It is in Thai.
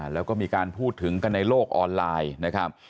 แล้วก็มีการพูดถึงกันในโลกออนไลน์นะครับ